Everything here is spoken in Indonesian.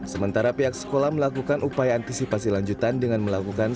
sementara pihak sekolah melakukan upaya antisipasi lanjutan dengan melakukan